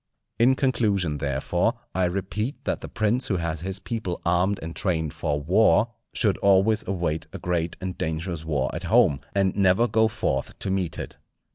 In conclusion, therefore, I repeat that the prince who has his people armed and trained for war, should always await a great and dangerous war at home, and never go forth to meet it.